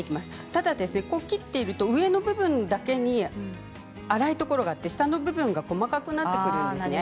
ただ切っていると上の部分だけに粗いところがあって下の部分が細かくなってくるんですね。